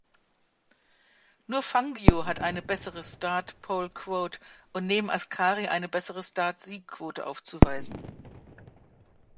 Nur Fangio hat eine bessere Start-Pole-Quote und neben Ascari eine bessere Start-Sieg-Quote aufzuweisen.